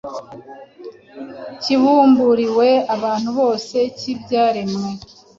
kibumburiwe abantu bose cy’ibyaremwe.